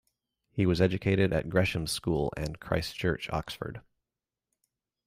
He was educated at Gresham's School and Christ Church, Oxford.